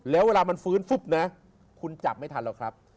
แล้วเวลามันฟื้นฟุบนะคุณจับไม่ทันหรอกครับ